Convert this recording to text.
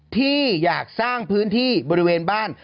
ที่อยากสร้างพื้นที่บริเวณบ้าน